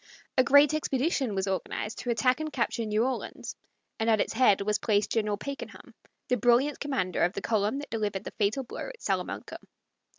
A great expedition was organized to attack and capture New Orleans, and at its head was placed General Pakenham, the brilliant commander of the column that delivered the fatal blow at Salamanca.